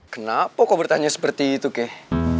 kenapa kau bertanya seperti itu keh